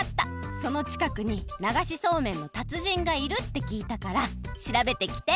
そのちかくにながしそうめんのたつじんがいるってきいたからしらべてきて！